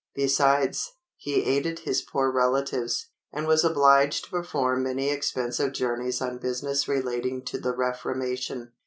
Besides, he aided his poor relatives, and was obliged to perform many expensive journeys on business relating to the Reformation.